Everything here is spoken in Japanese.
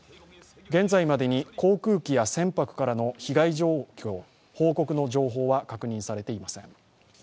現在までに航空機や船舶からの被害状況、報告の情報は確認されています。